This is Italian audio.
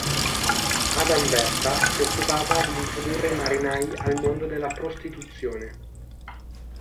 Ad Anversa si occupava di introdurre i marinai al mondo della prostituzione.